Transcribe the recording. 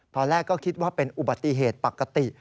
ตอนแรกก็คิดว่าเป็นอุบัติเหตุปกติ